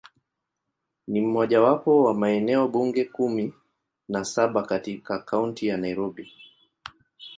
Ni mojawapo wa maeneo bunge kumi na saba katika Kaunti ya Nairobi.